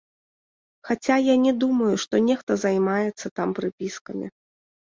Хаця я не думаю, што нехта займаецца там прыпіскамі.